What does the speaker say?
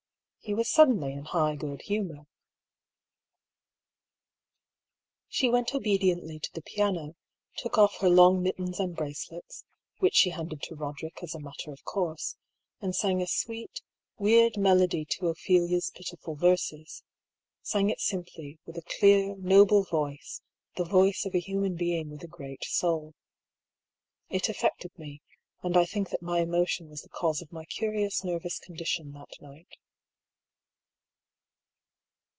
He was suddenly in high good humor. She went obediently to the piano, took off her long mittens and bracelets (which she handed to Boderick as a matter of course), and sang a sweet, weird melody to Ophelia's pitiful verses; sang it simply, with a clear, noble voice, the voice of a human being with a great soul. 42 I>R. PAULL'S THEORY. It affected me, and I think that my emotion was the cause of my curious nervous condition that night.